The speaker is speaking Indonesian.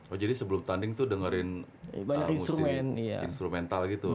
oh jadi sebelum tanding tuh dengerin musik instrumental gitu